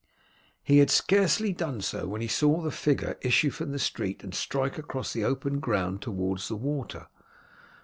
He had scarcely done so when he saw the figure issue from the street and strike across the open ground towards the water.